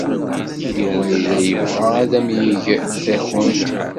Yuba yella yebɣa ad am-yeg takunt.